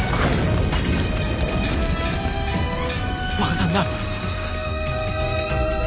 若旦那！